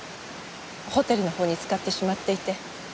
ホテルのほうに使ってしまっていて。